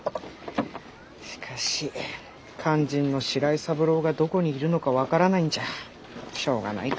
しかし肝心の白井三郎がどこにいるのか分からないんじゃしょうがないか。